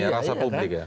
rasa publik ini ya